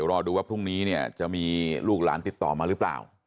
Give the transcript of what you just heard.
รอดูว่าพรุ่งนี้เนี่ยจะมีลูกหลานติดต่อมาหรือเปล่า